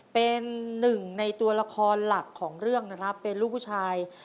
เป็นหนึ่งในตัวละครหลักของเรื่องนะครับเป็นลูกผู้ชาย